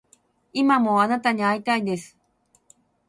今もあなたに逢いたいです